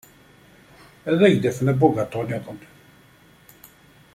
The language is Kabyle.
Ad ak-d-afen abugaṭu niḍen.